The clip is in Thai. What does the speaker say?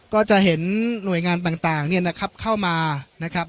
ก็จะเห็นหน่วยงานต่างเข้ามานะครับ